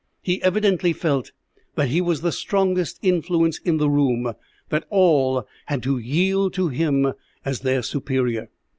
He evidently felt that he was the strongest influence in the room that all had to yield to him as their superior.